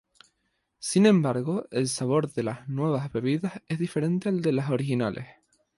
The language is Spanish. Sin embargo, el sabor de las nuevas bebidas es diferente al de las originales.